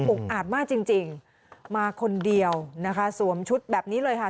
อาจมากจริงจริงมาคนเดียวนะคะสวมชุดแบบนี้เลยค่ะ